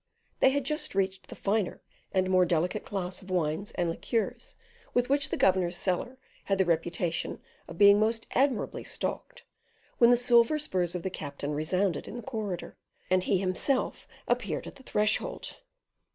They had just reached the finer and more delicate class of wines and liqueurs with which the governor's cellar had the reputation of being most admirably stocked, when the silver spurs of the captain resounded in the corridor, and he himself appeared at the threshold.